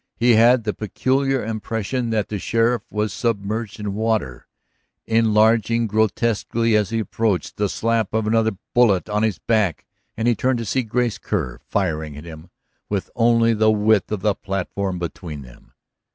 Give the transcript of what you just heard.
He had the peculiar impression that the sheriff was submerged in water, enlarging grotesquely as he approached. The slap of another bullet on his back, and he turned to see Grace Kerr firing at him with only the width of the platform between them.